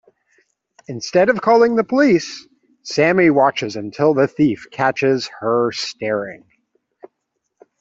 Instead of calling the police, Sammy watches until the thief catches her staring.